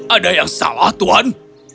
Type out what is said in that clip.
ada yang salah tuan